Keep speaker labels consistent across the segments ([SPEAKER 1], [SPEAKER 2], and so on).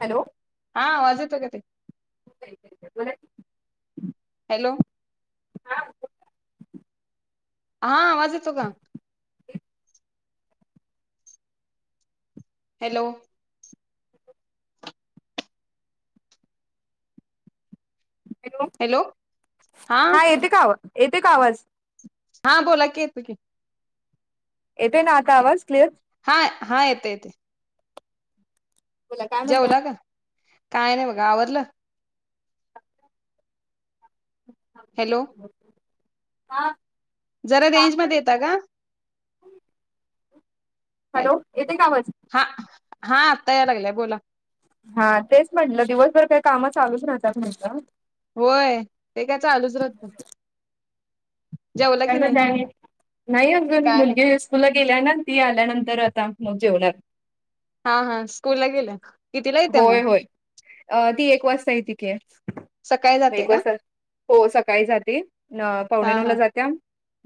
[SPEAKER 1] Hello?
[SPEAKER 2] आं, आवाज येतोय का ती?
[SPEAKER 1] बरंय [unintelligible]
[SPEAKER 2] हॅलो? हां, आवाज येतो का? हॅलो?
[SPEAKER 1] हॅलो? हा येते का आवा, येते का आवाज?
[SPEAKER 2] हां, बोला की, येतोय की.
[SPEAKER 1] येतेय ना आता आवाज, क्लिअर?
[SPEAKER 2] हां हां, येते येत.
[SPEAKER 1] बोला काय म्हणताय
[SPEAKER 2] जेवला का? काय नाय बघा, आवरलं? हॅलो?
[SPEAKER 1] हां.
[SPEAKER 2] जरा रेंज मध्ये, येता का?
[SPEAKER 1] हॅलो? येते का आवाज?
[SPEAKER 2] हां, हां आता याय लागला, बोला.
[SPEAKER 1] हां, तेच म्हटलं, दिवसभर काही काम चालूच राहतात, म्हंटल
[SPEAKER 2] होय, ते काय चालूच रह
[SPEAKER 1] त्याला काही, नाही आजून
[SPEAKER 2] काय नाही
[SPEAKER 1] मुलगी स. मुलं गेल्या ना, ती आल्यानंतर आता, मं जेवनार.
[SPEAKER 2] हां हां, स्कूल ला गेल्या? कितीला येते
[SPEAKER 1] होय
[SPEAKER 2] मग
[SPEAKER 1] होय, अ ती एक वाजता येती के.
[SPEAKER 2] सकाळी जाते का?
[SPEAKER 1] हो सकाळी जाते, न-पावणे
[SPEAKER 2] हा
[SPEAKER 1] नऊ
[SPEAKER 2] हा
[SPEAKER 1] ला जात्या.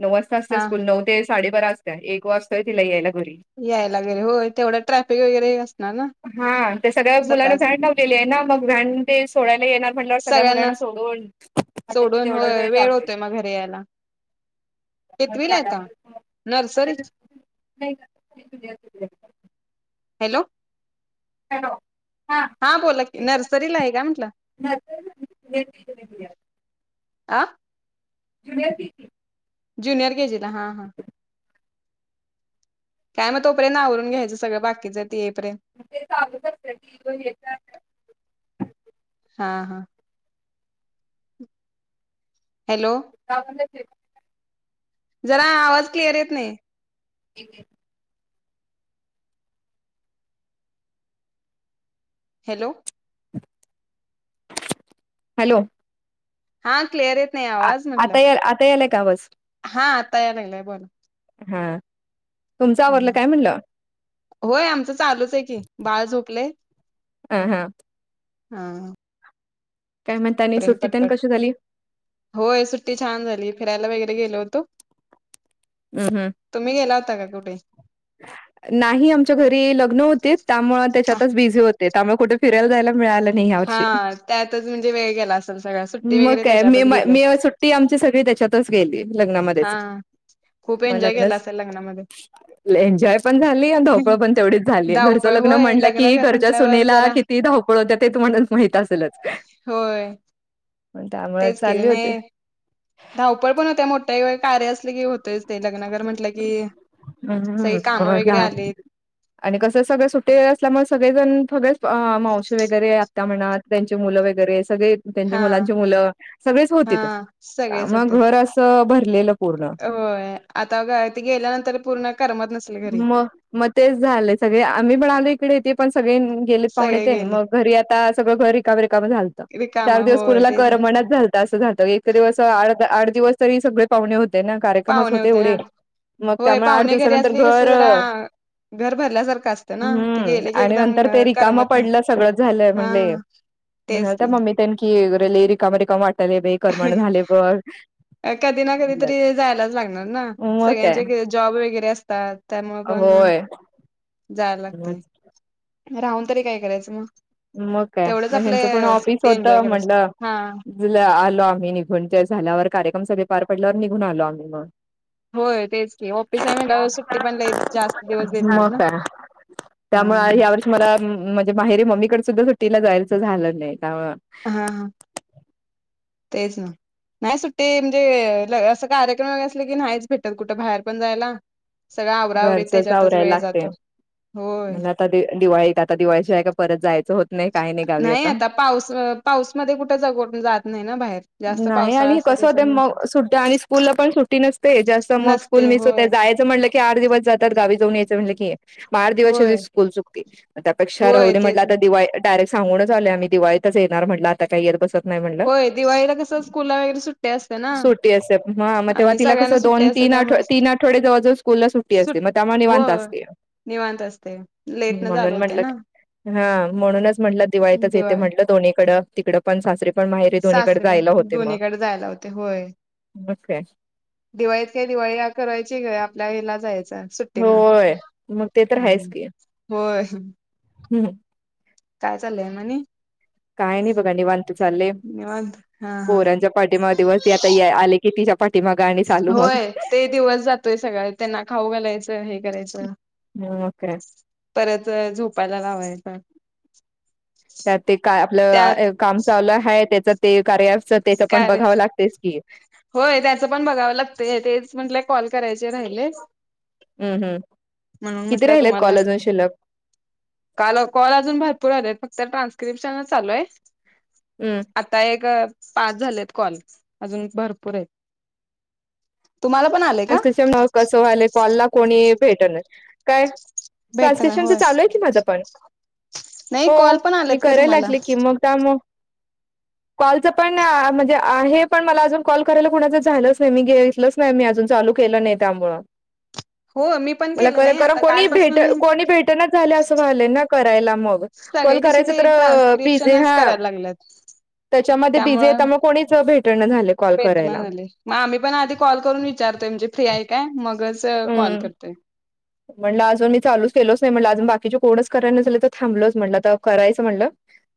[SPEAKER 1] नऊ वाजता असतयं
[SPEAKER 2] हा
[SPEAKER 1] स्कूल, नऊ ते साडेबारा असतयं, एक वाजतोय, तिला यायला, घरी.
[SPEAKER 2] यायला घरी, होय तेवढं ट्रॅफिक वगैरे, असणार ना?
[SPEAKER 1] सगळ्याच मुलांना
[SPEAKER 2] सकाळच
[SPEAKER 1] वॅण लावलेली ये ना, मग वॅन ते सोडायला येणार म्हंटल्यावर सगळ्या
[SPEAKER 2] सगळ्यांना
[SPEAKER 1] मुलांना सोडून, म्हटलं कि
[SPEAKER 2] सोडून
[SPEAKER 1] तेवढं
[SPEAKER 2] होय
[SPEAKER 1] वेळ जातोय.
[SPEAKER 2] होतोय मग घरी यायला कितवीला येता नर्सरी
[SPEAKER 1] [unintelligible]
[SPEAKER 2] हॅलो?
[SPEAKER 1] हॅलो? हां
[SPEAKER 2] हा बोला की नर्सरीला आहे का म्हटलं
[SPEAKER 1] [unintelligible]
[SPEAKER 2] आं?
[SPEAKER 1] Junior K G.
[SPEAKER 2] Junior K G ला, हां हां. काय मग तोपर्यंत आवरून घ्यायचं सगळं बाकीचं, ते ये पर्यंत.
[SPEAKER 1] ते चालूच आसतय की ब हे कर
[SPEAKER 2] हा हा, हॅलो!
[SPEAKER 1] गावातन फिर
[SPEAKER 2] जरा आवाज क्लिअर येत नाही.
[SPEAKER 1] ठीक आहे.
[SPEAKER 2] हॅलो!
[SPEAKER 1] हॅलो!
[SPEAKER 2] हा क्लिअर येत नाही
[SPEAKER 1] आ
[SPEAKER 2] आवाज
[SPEAKER 1] आता
[SPEAKER 2] म्हटलं,
[SPEAKER 1] या आता यालाय का आवाज
[SPEAKER 2] हा आता या लागलाय बोला.
[SPEAKER 1] हा तुमचं आवरलं
[SPEAKER 2] हा
[SPEAKER 1] काय म्हणलं?
[SPEAKER 2] होय आमचं चालूच आहे की, बाळ झोपलय.
[SPEAKER 1] अ हं,
[SPEAKER 2] हा
[SPEAKER 1] काय म्हणता आणि
[SPEAKER 2] पर्यंत
[SPEAKER 1] सुट्टी तेन
[SPEAKER 2] पटपट
[SPEAKER 1] कशी झाली?
[SPEAKER 2] होय सुट्टी छान झाली फिरायला वगैरे गेलो होतो.
[SPEAKER 1] उ हुं,
[SPEAKER 2] तुम्ही गेला होता का कुठे?
[SPEAKER 1] नाही आमच्या घरी लग्न होतीत त्यामुळ तेच्यातच बिझी होते त्या म कुठ फिरायला जायला मिळालं नाही ह्या
[SPEAKER 2] हा
[SPEAKER 1] वर्षी.
[SPEAKER 2] त्यातच म्हणजे वेळ गेला आसल सगळा सुट्टी
[SPEAKER 1] मग
[SPEAKER 2] वगैरे
[SPEAKER 1] काय मे
[SPEAKER 2] त्याच्यातच
[SPEAKER 1] म
[SPEAKER 2] गेली.
[SPEAKER 1] मे
[SPEAKER 2] असेल
[SPEAKER 1] सुट्टी आमची सगळी त्याच्यातच गेली
[SPEAKER 2] हा
[SPEAKER 1] लग्नामध्येच.
[SPEAKER 2] खूप
[SPEAKER 1] म
[SPEAKER 2] एन्जॉय केला
[SPEAKER 1] लग्नच
[SPEAKER 2] असेल लग्नामध्ये
[SPEAKER 1] लई एन्जॉय पण झाली आणि धवपळ पण तेवढीच झाली, घरचं
[SPEAKER 2] धावपळ
[SPEAKER 1] लग्न
[SPEAKER 2] होय
[SPEAKER 1] म्हणलं
[SPEAKER 2] लग्न
[SPEAKER 1] की
[SPEAKER 2] घर
[SPEAKER 1] घरच्या
[SPEAKER 2] म्हटल्यावर
[SPEAKER 1] सुनेला
[SPEAKER 2] जरा
[SPEAKER 1] किती धावपळ होत्या ते तुम्हाना माहित आसलच.
[SPEAKER 2] होय.
[SPEAKER 1] पण त्यामुळ
[SPEAKER 2] तेच केले
[SPEAKER 1] चालली होते.
[SPEAKER 2] नाही धावपळ पण होत्या मोठ्या कार्य आसल की होतयच ते लग्नकर म्हटलं की, सगळी
[SPEAKER 1] हू
[SPEAKER 2] कामं वगैरे
[SPEAKER 1] [unintelligible]
[SPEAKER 2] आलीत
[SPEAKER 1] आणि कसं सगळं सुटे असल्यामुळ सगळेजण सगळेच मावशी वगैरे आत्या म्हणा त्यांचे मुलं वगैरे सगळे त्यांचे
[SPEAKER 2] हा
[SPEAKER 1] मुलांचे मुलं सगळेच
[SPEAKER 2] हा
[SPEAKER 1] होतीत,
[SPEAKER 2] सगळेच
[SPEAKER 1] त्यामुळं घर आसं भरलेलं पूर्ण.
[SPEAKER 2] व्हय. आता ते गेल्यानंतर पूर्ण करमत नस
[SPEAKER 1] म म तेच झालंय सगळे आम्ही पण आलो इकडे ते पण सगळे नि गेले पाहुणे
[SPEAKER 2] सगळे
[SPEAKER 1] तेन
[SPEAKER 2] गेले
[SPEAKER 1] मग घरी आता सगळं घर रिकाम रिकाम झालतं
[SPEAKER 2] रिकाम
[SPEAKER 1] चार दिवस
[SPEAKER 2] होय
[SPEAKER 1] कुणाला
[SPEAKER 2] तेच ना.
[SPEAKER 1] करमनाच झाल त आसं झालंतं इतक दिवस आड द आड दिवस तरी सगळे पाहुणे होते ना कार्यक्रमच
[SPEAKER 2] पाहुणे
[SPEAKER 1] होते
[SPEAKER 2] ना
[SPEAKER 1] एवढे मग
[SPEAKER 2] होय
[SPEAKER 1] त्यामुळे आठ
[SPEAKER 2] पाहुणे घरी
[SPEAKER 1] दिवसानंतर
[SPEAKER 2] आसली कसं
[SPEAKER 1] घर
[SPEAKER 2] जरा घर भरल्यासारखं आसतं ना ते
[SPEAKER 1] हम्म
[SPEAKER 2] गेले की
[SPEAKER 1] आणि
[SPEAKER 2] एकदम
[SPEAKER 1] नंतर ते रिकामं
[SPEAKER 2] करमत नाही
[SPEAKER 1] पडलं
[SPEAKER 2] हा. तेच
[SPEAKER 1] म्हणत [unintelligible]
[SPEAKER 2] की
[SPEAKER 1] मम्मी तेन की घर लई रिकम रिकम वाटलय बाई. करमण झाले बघ.
[SPEAKER 2] कधी ना कधी तरी जायलाच लागणार ना
[SPEAKER 1] मग काय
[SPEAKER 2] सगळ्यांचे जॉब वगैरे असतात त्यामुळ पण
[SPEAKER 1] होय
[SPEAKER 2] जायला लागतय. राहून तरी काय करायचं म.
[SPEAKER 1] म काय म हेचं पण ऑफिस होत
[SPEAKER 2] एन्जॉय करायची हा
[SPEAKER 1] म्हटलं आलो आम्ही निघून ते झाल्यावर कार्यक्रम सगळे पार पडल्यावर निघून आलो आम्ही म.
[SPEAKER 2] होय. तेच की ऑफिस आहे म्हटल्यावर सुट्टी पण जास्त दिवस देत नाहीत
[SPEAKER 1] मग
[SPEAKER 2] ना.
[SPEAKER 1] काय
[SPEAKER 2] हा
[SPEAKER 1] त्यामुळे यावर्षी मला म्हणजे माहेरीे मम्मीकडे सुद्धा सुट्टीला जायचं झालं नाही. त्यामु
[SPEAKER 2] हा हा तेच ना, नाही सुट्टी म्हणजे, असं कार्यक्रम वगैरे असले की नाहीच भेटत कुठं बाहेर पण जायला. सगळं आवराआवरीत
[SPEAKER 1] घरचच
[SPEAKER 2] त्याच्यातच
[SPEAKER 1] आवरायला
[SPEAKER 2] वेळ
[SPEAKER 1] लागते.
[SPEAKER 2] जातो. होय.
[SPEAKER 1] म्हणलं आता ते दिवाळीत. आता दिवाळी शिवाय का परत जायचं होत नाही. काही नाही गावी आता.
[SPEAKER 2] पाऊस पाऊस मध्ये कुठं जाऊ वाटत नाही. कुठे जात नाही ना बाहेर. जास्त
[SPEAKER 1] नाही
[SPEAKER 2] पावसाळा
[SPEAKER 1] आणि
[SPEAKER 2] असता
[SPEAKER 1] कसं होत
[SPEAKER 2] त्याच्यामुळे
[SPEAKER 1] मग, सुट्टी आणि स्कूलला पण सुट्टी नसते जास्त, मग स्कूल
[SPEAKER 2] नसते
[SPEAKER 1] मिस होते
[SPEAKER 2] होय
[SPEAKER 1] जाय च, म्हटलं की आठ दिवस जातात गावी जाऊन यायच म्हटलं की, बारा दिवस त्याची
[SPEAKER 2] होय
[SPEAKER 1] स्कूल चुकती. त्यापेक्षा
[SPEAKER 2] होय
[SPEAKER 1] राहुदे म्हटलं
[SPEAKER 2] तेच
[SPEAKER 1] आता दिवाळी डायरेक्ट सांगूनच आलोय आम्ही, दिवाळीतच येणार म्हटलं आता काय येत बसत ना
[SPEAKER 2] होय. दिवाळीला क
[SPEAKER 1] सुटी असत्यात हा मग तेव्हा
[SPEAKER 2] आणि
[SPEAKER 1] तिला कस
[SPEAKER 2] सगळ्यांना
[SPEAKER 1] दोन
[SPEAKER 2] सुट्ट्या असते
[SPEAKER 1] तीन आठव
[SPEAKER 2] त्यामुळे
[SPEAKER 1] तीन आठवडे जवळ जवळ सु स्कूल ला सुट्टी
[SPEAKER 2] सुट
[SPEAKER 1] असते मग त्यामुळे
[SPEAKER 2] हो
[SPEAKER 1] निवांत असते.
[SPEAKER 2] निवांत असते. लेट न झाल
[SPEAKER 1] म्हणून
[SPEAKER 2] होते
[SPEAKER 1] म्हटलं
[SPEAKER 2] ना.
[SPEAKER 1] हा. म्हणूनच म्हटलं, दिवाळीतच येते
[SPEAKER 2] दिवाळी
[SPEAKER 1] म्हटलं, दोन्हीकड तिकडं पण, सासरी पण माहेरी दोन्ही कडे
[SPEAKER 2] सासरे पण दोन्हीकडे जायला होते होय.
[SPEAKER 1] मग काय
[SPEAKER 2] दिवाळीत काही दिवाळी या करायची काय आपल्या हेला जायच. सुट्टीना.
[SPEAKER 1] होय मग ते तर आहेच
[SPEAKER 2] हम्
[SPEAKER 1] की
[SPEAKER 2] होय.
[SPEAKER 1] हम्म.
[SPEAKER 2] काय चाललंय आणि
[SPEAKER 1] काय नाही बघा निवांत चालले.
[SPEAKER 2] निवांत हा हा
[SPEAKER 1] पोरांच्या पाठीमाग दिवस त आता आले कि तिच्या पाठीमाग आणि चालू मग.
[SPEAKER 2] होय. ते दिवस जातोय सगळा त्यांना खाऊ घालायचं हे करायचं.
[SPEAKER 1] हम्म मग काय?
[SPEAKER 2] परत झोपायला लावायचा.
[SPEAKER 1] त्यात ते काय आपलं काम चालू आहे. त्याच ते कार्या त्याच पण
[SPEAKER 2] काय रे
[SPEAKER 1] बघावं लागतेच की,
[SPEAKER 2] होय. त्याचं पण बघावं लागत. तेच म्हटल कॉल करायचे राहिले.
[SPEAKER 1] हम्म हम्म,
[SPEAKER 2] म्हणून
[SPEAKER 1] किती
[SPEAKER 2] म्हटलं
[SPEAKER 1] राहिले
[SPEAKER 2] तुम्हाला
[SPEAKER 1] कॉल आजून शिल्लक?
[SPEAKER 2] काल कॉल अजून भरपूर राहीले आहेत. फक्त ट्रान्स्क्रिप्शन च चालू आहे.
[SPEAKER 1] हम्.
[SPEAKER 2] आता एक पाच झालेत कॉल. अजून भरपूर आहेत. तुम्हाला पण आलेत.
[SPEAKER 1] ट्रान्स्क्रिप्शन कसंही व्हायलय. कॉलला कोणी ही भेटणं. काय
[SPEAKER 2] भेट ना
[SPEAKER 1] ट्रान्सक्रिप्शनच
[SPEAKER 2] होय
[SPEAKER 1] चालू आहे की माझं पण.
[SPEAKER 2] नाही
[SPEAKER 1] हो.
[SPEAKER 2] कॉल पण आलेत
[SPEAKER 1] मी
[SPEAKER 2] का
[SPEAKER 1] करायला
[SPEAKER 2] तुम्हाला
[SPEAKER 1] लागले की मग त्या मग
[SPEAKER 2] [inaudible]
[SPEAKER 1] कॉलचं पण म्हणजे आहे पण मला अजून कॉल करायला कुणाच झालंच नाही. मी घेेतलंच नाही मी अजून चालू केलं नाही त्यामुळं,
[SPEAKER 2] हो मी पण
[SPEAKER 1] मला
[SPEAKER 2] केलं
[SPEAKER 1] खरं
[SPEAKER 2] नाही
[SPEAKER 1] खरं
[SPEAKER 2] आता
[SPEAKER 1] कोणी भेट
[SPEAKER 2] कालपासून
[SPEAKER 1] कोणी भेटणा झालं असं व्हायलय का? करायला मग
[SPEAKER 2] सगळे
[SPEAKER 1] कॉल
[SPEAKER 2] कसे
[SPEAKER 1] करायच
[SPEAKER 2] ते
[SPEAKER 1] तर बिझी.
[SPEAKER 2] ट्रान्स्क्रिप्शनच
[SPEAKER 1] हा.
[SPEAKER 2] करायला लागलेत
[SPEAKER 1] त्याच्यामध्ये बिझी आहेत.
[SPEAKER 2] त्यामुळं
[SPEAKER 1] त्यामुळे मग कोणीच भेटणं झालंय कॉल
[SPEAKER 2] भेटना
[SPEAKER 1] करायला.
[SPEAKER 2] झाले मग आम्ही पण आधी कॉल करून विचारतोय. म्हणजे फ्री आहे काय मगच कॉल
[SPEAKER 1] हम्म.
[SPEAKER 2] करतोय.
[SPEAKER 1] म्हणलं अजून मी चालूच केलोच नाही म्हटलं, अजून बाकीचे कोणच करणा झाले तर थांबलोच म्हटलं तर करायचं म्हणलं.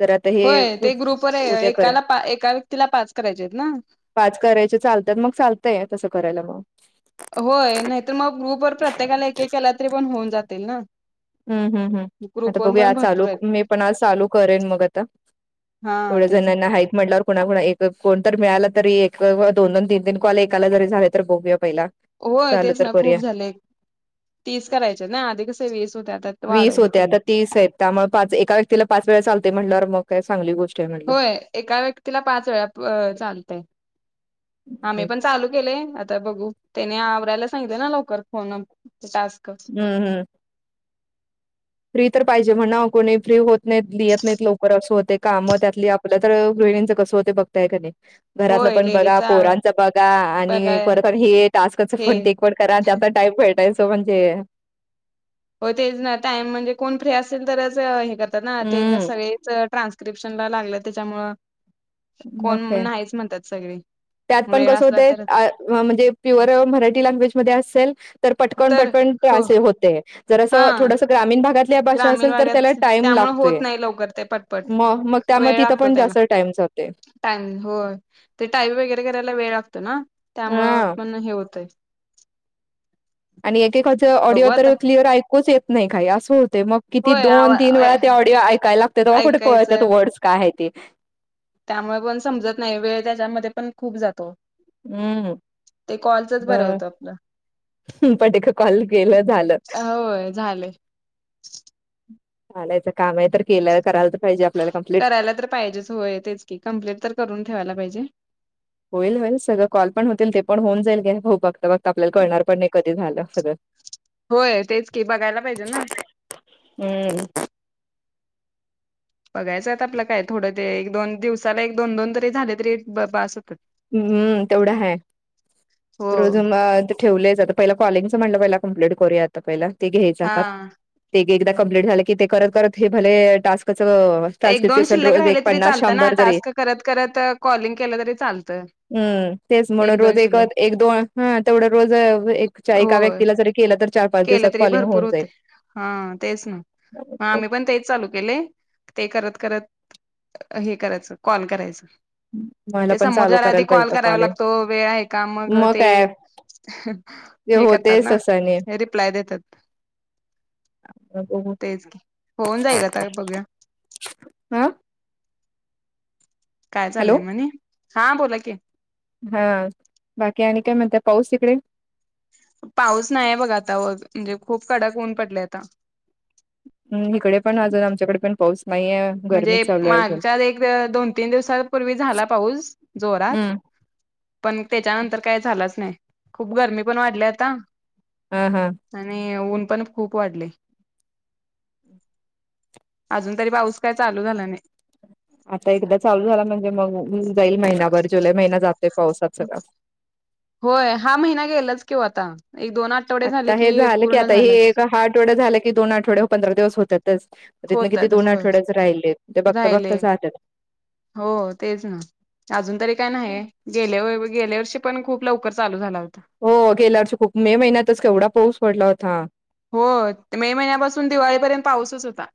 [SPEAKER 1] जरा आता हे
[SPEAKER 2] होय. ते ग्रुपवर
[SPEAKER 1] उद्या करा
[SPEAKER 2] एकाला एका व्यक्तीला पाच करायचे आहेत ना.
[SPEAKER 1] पाच करायचे चालतात मग चालतय तसं करायला मग
[SPEAKER 2] होय नाहीतर मग ग्रुपवर प्रत्येकाला एक एक केला तरी पण होऊन जातील ना
[SPEAKER 1] हम हम्म हम आता
[SPEAKER 2] ग्रुपवर
[SPEAKER 1] बघू
[SPEAKER 2] पण
[SPEAKER 1] आज
[SPEAKER 2] भरपूर
[SPEAKER 1] चालू
[SPEAKER 2] आहेत
[SPEAKER 1] मी पण आज चालू करेन मग आता
[SPEAKER 2] हा
[SPEAKER 1] [inaudible]
[SPEAKER 2] तेच ना.
[SPEAKER 1] कुणाकुणा एक कोणत मिळाला तरी एक दोन दोन तीन तीन कॉले एकाला जरी झाले तर बघूया पहिला
[SPEAKER 2] होय
[SPEAKER 1] चालू
[SPEAKER 2] तेच
[SPEAKER 1] तर
[SPEAKER 2] ना खूप
[SPEAKER 1] करूया
[SPEAKER 2] झाले तीस करायचे ना आधी
[SPEAKER 1] वीस होते
[SPEAKER 2] क
[SPEAKER 1] आता
[SPEAKER 2] [inaudible]
[SPEAKER 1] तीस आहेत त्यामुळे पाच एका व्यक्तीला पाच वेळा चालते म्हटल्यावर मग काय चांगली गोष्ट आहे म्हटलं
[SPEAKER 2] होय एका व्यक्तीला पाच वेळा चालतय आम्ही
[SPEAKER 1] हम्म
[SPEAKER 2] पण चालू केले आता बघू, त्याने आवरायला सांगितल ना लवकर फोन टास्क
[SPEAKER 1] हम्म हम्म फ्री तर पाहिजे म्हणणा कोणी फ्री होत नाही लेत नाहीत लवकर असं होते काम त्यातली आप तर गृहिणींचं कसं होते बघताय का नाही घरातलं
[SPEAKER 2] होय
[SPEAKER 1] पण बघा
[SPEAKER 2] लेडीजचा
[SPEAKER 1] पोरांच पण बघा आणि
[SPEAKER 2] बघाय
[SPEAKER 1] परत हे टास्कच
[SPEAKER 2] हे
[SPEAKER 1] पण ते ड करा त्या आता टाईप भेटायचो म्हणजे
[SPEAKER 2] हो तेच ना टाइम म्हणजे कोण फ्री असेल तरच हे करतात ना ते
[SPEAKER 1] हम्म
[SPEAKER 2] सगळेच ट्रान्स क्रिप्शन लागलं त्याच्यामुळ
[SPEAKER 1] हो
[SPEAKER 2] कोण
[SPEAKER 1] काय आहे
[SPEAKER 2] नाहीच म्हणतात सगळे
[SPEAKER 1] त्यात पण
[SPEAKER 2] वेळ
[SPEAKER 1] कस
[SPEAKER 2] असला
[SPEAKER 1] होतय
[SPEAKER 2] तर
[SPEAKER 1] म्हणजे प्युअर मराठी लग्वेज असेल तर पटकन पटकन होते जर
[SPEAKER 2] हा
[SPEAKER 1] असं थोडस ग्रामीण भागात कल्या भाषा
[SPEAKER 2] ग्रामीण
[SPEAKER 1] असेल तर
[SPEAKER 2] भागात
[SPEAKER 1] त्याला टाइम
[SPEAKER 2] त्यामुळे
[SPEAKER 1] लागतोय
[SPEAKER 2] होत नाही लवकर ते पटपट
[SPEAKER 1] मग मग
[SPEAKER 2] वेळ
[SPEAKER 1] त्यामध्ये तिथं
[SPEAKER 2] लागतो
[SPEAKER 1] पण
[SPEAKER 2] त्याला
[SPEAKER 1] जास्त टाइम जातंय
[SPEAKER 2] टाइम हो ते टाईम वगैरे करायला वेळ लागतो ना त्यामुळं
[SPEAKER 1] हा
[SPEAKER 2] पण हे होतय
[SPEAKER 1] आणि एकेकाच ऑडिओ
[SPEAKER 2] बघू आता
[SPEAKER 1] तर क्लिअर ऐकूच येत नाही काही असं होते मग किती
[SPEAKER 2] होय
[SPEAKER 1] दोन
[SPEAKER 2] आवा
[SPEAKER 1] तीन वेळा ते ऑडिओ ऐकायला लागतात तेव्हा कुठे कळतात
[SPEAKER 2] ऐकायचं
[SPEAKER 1] वर्डस काय आहे ते
[SPEAKER 2] त्यामुळे पण समजत नाही वेळ त्याच्यामध्ये पण खूप जातो
[SPEAKER 1] हम्म
[SPEAKER 2] ते कॉलचच बरं होतं आपलं
[SPEAKER 1] पट पण कॉल केलं झालं
[SPEAKER 2] होय झालं!
[SPEAKER 1] चालायचं काम आहे तर केलं करायला तर पाहिजे आप
[SPEAKER 2] करायला तर पाहिजेच होय तेच की कम्प्लीट तर करून ठेवायला पाहिजे
[SPEAKER 1] होईल होईल सगळं कॉल पण होतील ते पण होऊन जाईल घे भाऊ बघत बघत आपल्याला कळणार पण नाही कधी झालं सगळं
[SPEAKER 2] होय तेच की बघायला पाहिजे ना
[SPEAKER 1] हम्म
[SPEAKER 2] बघायचं आहेत आपलं काय थोडं ते एक दोन दिवसाला एक दोन दोन तरी झाले तरी बस होतात
[SPEAKER 1] हम्म तेवढा हाय
[SPEAKER 2] हो
[SPEAKER 1] रोज म ठेवलं तर पहिल कॉलिंगच म्हटलं पहिल कम्प्लीट करूया आता पहिले ते घ्यायच हातात
[SPEAKER 2] हा
[SPEAKER 1] ते एकदा कमप्लीट झालं की ते करत करत हे भले टास्क कस
[SPEAKER 2] एक दोन
[SPEAKER 1] ट्रान्स्क्रिप्शन
[SPEAKER 2] शिल्लक राहिले तरी
[SPEAKER 1] एकन्नास
[SPEAKER 2] चालतं ना
[SPEAKER 1] शंभर तरी
[SPEAKER 2] टास्क
[SPEAKER 1] [inaudible]
[SPEAKER 2] करत करत कॉलिंग केलं तरी चालतं.
[SPEAKER 1] हम्म तेच म्हणून
[SPEAKER 2] दोन
[SPEAKER 1] रोज एक
[SPEAKER 2] शिल्लक
[SPEAKER 1] एक दोन ह तेवढं रोज एक एका
[SPEAKER 2] होय
[SPEAKER 1] व्यक्तीला जरी केलं तर चार-पाच
[SPEAKER 2] केलं तरी भरपूर होते हा तेच ना मग आम्ही पण तेच चालू केलय ते करत करत हे करायचं कॉल करायचं
[SPEAKER 1] मला
[SPEAKER 2] ते
[SPEAKER 1] पण चालू
[SPEAKER 2] समोरच्याला आधी
[SPEAKER 1] करायला
[SPEAKER 2] कॉल
[SPEAKER 1] पाहिजे
[SPEAKER 2] करावा
[SPEAKER 1] कॉलिंग
[SPEAKER 2] लागतो वेळ आहे का? मग ते ह्हण,
[SPEAKER 1] ते
[SPEAKER 2] हे करतात
[SPEAKER 1] होतेच
[SPEAKER 2] ना
[SPEAKER 1] तसाने.
[SPEAKER 2] री प्लाय देतात,
[SPEAKER 1] मग बघू.
[SPEAKER 2] तेच की, होऊन जाईल आता, बघूया.
[SPEAKER 1] हा
[SPEAKER 2] काय
[SPEAKER 1] हॅलो
[SPEAKER 2] चाललंय मनी? हां, बोला की.
[SPEAKER 1] हं, बाकी आणि काय म्हणते, पाऊस इकडे?
[SPEAKER 2] पाऊस नाहीे य बघ आता, व म्हणजे खूप कडक ऊन पडल, आता.
[SPEAKER 1] हम्, हीकडे पण अजून आमच्याकडे, पण पाऊस नाहीये.
[SPEAKER 2] म्हणजे
[SPEAKER 1] गरमीच चालू आहे अजून
[SPEAKER 2] मागच्या एक द-दोन तीन दिवसांपूर्वी झाला पाऊस, जोरात.
[SPEAKER 1] हम्म
[SPEAKER 2] पण त्याच्यानंतर काय झालंच नाही, खूप गरमी पण वाढल्या आता.
[SPEAKER 1] हं हं.
[SPEAKER 2] आणि ऊन पण खूप वाढलय, अजून तरी पाऊस काय चालू झाला नही.
[SPEAKER 1] आता एकदा चालू झाला, म्हणजे मंग होऊन जाईल महिनाभर, जुलै महिना जातोय पावसात, सगळा.
[SPEAKER 2] होय, हा महिना गेलाच कि व आता, एक दोन आठ
[SPEAKER 1] आता हे झालं की, आता हे एक हा आठवडा झाला की, दोन आठवड्या पंधरा दिवस होतातच. तिथनं किती
[SPEAKER 2] होतात
[SPEAKER 1] दोन
[SPEAKER 2] होय
[SPEAKER 1] आठवड्याच राहिलेत, ते बघता-बघता
[SPEAKER 2] राहिले
[SPEAKER 1] जात्यात.
[SPEAKER 2] हो, तेच ना. अजून तरी काय नाहीये, गेल्या व गेल्या वर्षी पण, खूप लवकर चालू झाला होता.
[SPEAKER 1] हो गेल्या वर्षी खूप, मे महिन्यातच केवढा पाऊस पडला होता.
[SPEAKER 2] हो, में महिन्यापासून, दिवाळीपर्यंत पाऊसच होता.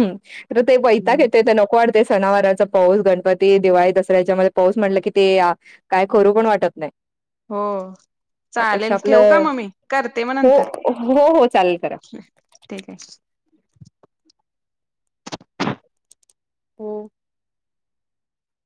[SPEAKER 1] हम, तर ते वैताग
[SPEAKER 2] हम्म.
[SPEAKER 1] येतोय त्या न को वाटते, सणावराचा पाऊस, गणपती, दिवाळी दसऱ्याच्यामध्ये पाऊस म्हटलं कि ते या काय करू पण वाटत, नही.
[SPEAKER 2] हो. चालेल, ठेवू का
[SPEAKER 1] आपलं
[SPEAKER 2] मग मी? करते
[SPEAKER 1] हो,
[SPEAKER 2] मगनंतर,
[SPEAKER 1] हो, हो चालेल करा.
[SPEAKER 2] ठीक ये. हो.